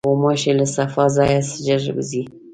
غوماشې له صفا ځایه ژر وځي.